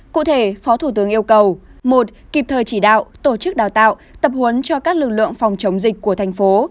cụ thể phó thủ tướng yêu cầu một kịp thời chỉ đạo tổ chức đào tạo tập huấn cho các lực lượng phòng chống dịch của thành phố